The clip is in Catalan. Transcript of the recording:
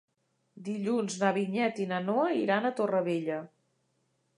Dilluns na Vinyet i na Noa iran a Torrevella.